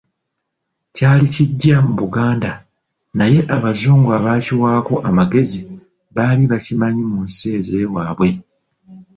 Kyali kiggya mu Buganda, naye Abazungu abaakiwaako amagezi baali bakimanyi mu nsi ez'ewaabwe.